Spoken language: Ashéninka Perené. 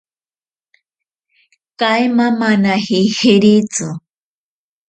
Kaimamanaji jeritzi.